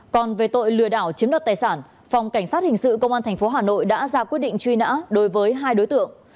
còn về tội lừa đảo chiếm đoạt tài sản phòng cảnh sát hình sự công an tp hà nội đã ra quyết định truy nã đối với hai đối tượng